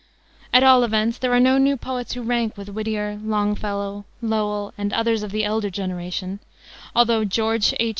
At all events there are no new poets who rank with Whittier, Longfellow, Lowell, and others of the elder generation, although George H.